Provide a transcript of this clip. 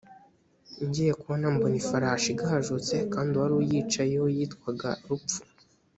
ngiye kubona mbona ifarashi igajutse kandi uwari uyicayeho yitwaga rupfu